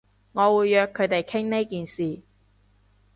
我會約佢哋傾呢件事